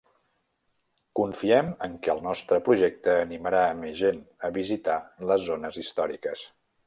Confiem en què el nostre projecte animarà a més gent a visitar les zones històriques.